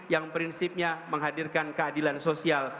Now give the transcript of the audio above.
yang prinsipnya menghadirkan keadilan sosial